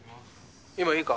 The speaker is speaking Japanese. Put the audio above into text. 今いいか？